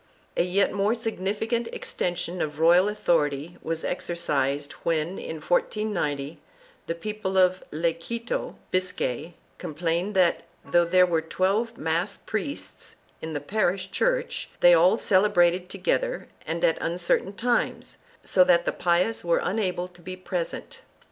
3 A yet more significant extension of royal authority was exercised when, in 1490, the people of Lequeitio (Biscay) complained that, though there were twelve mass priests in the parish church, they all celebrated together and at uncertain times, so that the pious were unable to be present.